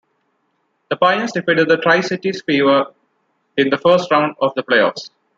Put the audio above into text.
The Pioneers defeated the Tri-Cities Fever in the first round of the playoffs.